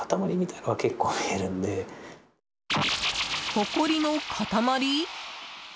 ほこりの塊？